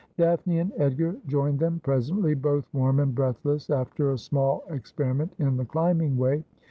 Daphne and Edgar joined them presently, both warm and breathless after a small experiment in the climbing way.